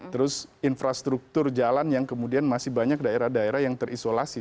terus infrastruktur jalan yang kemudian masih banyak daerah daerah yang terisolasi